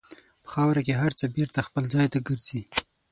په خاوره کې هر څه بېرته خپل ځای ته ګرځي.